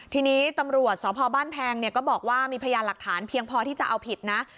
ทีนี้ตำรวจสพบ้านแพงก็บอกว่ามีพยานหลักฐานเพียงพอที่จะเอาผิดนะ